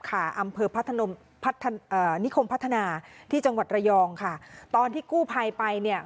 หัวเมืองหัวตระยองค่ะตอนที่กู้ภายไปเนี่ย